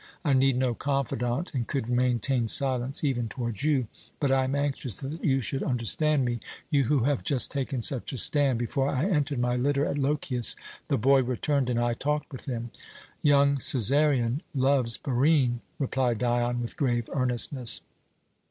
I need no confidant and could maintain silence even towards you, but I am anxious that you should understand me, you who have just taken such a stand. Before I entered my litter at Lochias, the boy returned, and I talked with him." "Young Cæsarion loves Barine," replied Dion with grave earnestness.